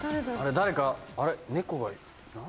誰かあれ猫がいる。